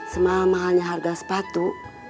semahal mahalnya harga sepatu